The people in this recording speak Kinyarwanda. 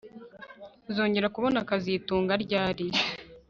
Uzongera kubona kazitunga ryari